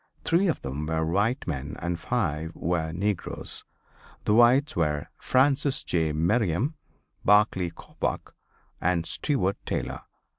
Three of them were white men and five were negroes. The whites were Francis J. Merriam, Barclay Coppoc and Steward Taylor.